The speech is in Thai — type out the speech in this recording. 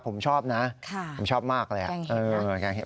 ผมชอบนะผมชอบมากเลยอ่ะแกงเห็ดนะครับแกงเห็ด